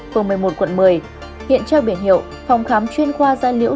phường một mươi một quận một mươi hiện trao biển hiệu phòng khám chuyên khoa gia liễu